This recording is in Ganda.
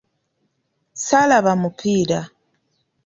Ssaalaba mupiira.